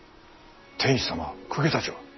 天子様公家たちは？